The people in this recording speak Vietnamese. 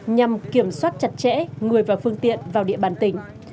nhằm kiểm soát chặt chẽ người và phương tiện vào địa bàn tỉnh